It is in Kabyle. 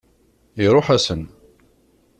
Iṛuḥ-asen.